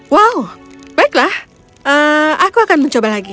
wow baiklah aku akan mencoba lagi